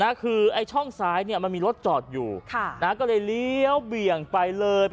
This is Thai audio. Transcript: คือไอ้ช่องซ้ายเนี่ยมันมีรถจอดอยู่ค่ะนะก็เลยเลี้ยวเบี่ยงไปเลยไป